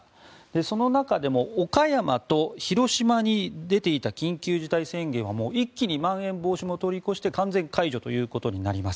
その中でも岡山と広島に出ていた緊急事態宣言はもう一気にまん延防止も通り越して完全解除となります。